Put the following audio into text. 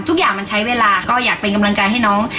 ทุกอย่างมันใช้เวลาก็อยากเป็นกำลังใจให้น้อง